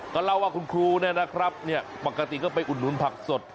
ก็เล่าว่าคุณครูมากภาพี่ก็ไปอุดหนุนผักสด